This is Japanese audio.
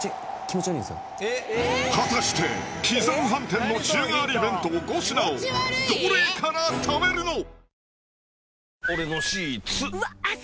果たして喜山飯店の週替わり弁当５品をどれから食べるの？